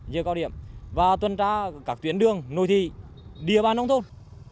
giữa cao điểm và tuần tra các tuyến đường nội thị địa bàn nông thôn